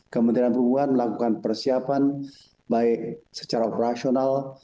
kementerian perhubungan melakukan persiapan baik secara operasional